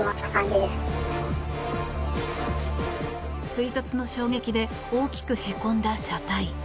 追突の衝撃で大きくへこんだ車体。